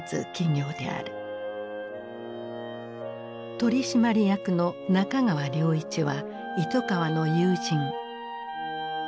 取締役の中川良一は糸川の友人。